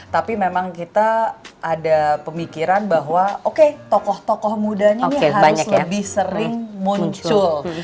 tapi memang kita ada pemikiran bahwa oke tokoh tokoh mudanya ini harus lebih sering muncul